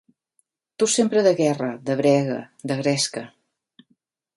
Tu sempre de guerra, de brega, de gresca.